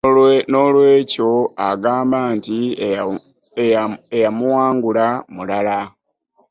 N'olwekyo agamba nti eyamuwangula mulala